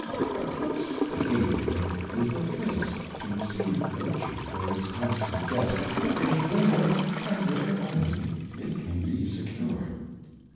A close behaviour is the fittest to receive Vertue for its constant Guest, because there, and there only, it can be secure.